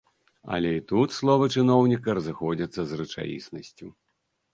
Але і тут словы чыноўніка разыходзяцца з рэчаіснасцю.